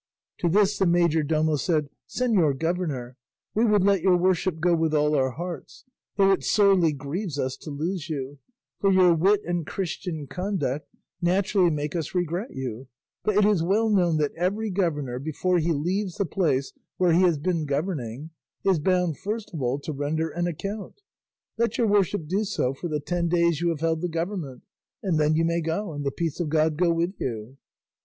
To this the majordomo said, "Señor governor, we would let your worship go with all our hearts, though it sorely grieves us to lose you, for your wit and Christian conduct naturally make us regret you; but it is well known that every governor, before he leaves the place where he has been governing, is bound first of all to render an account. Let your worship do so for the ten days you have held the government, and then you may go and the peace of God go with you."